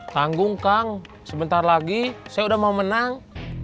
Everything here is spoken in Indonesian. tanggung kang sebentar lagi saya udah mau menang